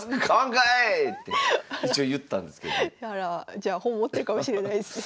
じゃあ本持ってるかもしれないですね。